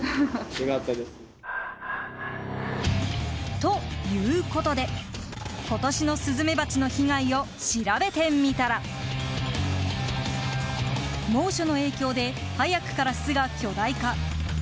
ということで、今年のスズメバチの被害を調べてみたら猛暑の影響で早くから巣が巨大化。